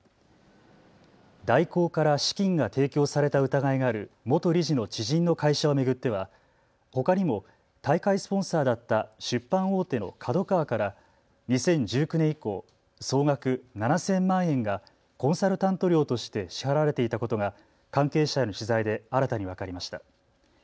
大広から資金が提供された疑いがある元理事の知人の会社を巡ってはほかにも大会スポンサーだった出版大手のＫＡＤＯＫＡＷＡから２０１９年以降、総額７０００万円がコンサルタント料として支払われていたことが関係者への取材で新たに分かりました。